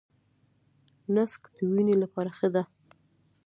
نسک د وینې لپاره ښه دي.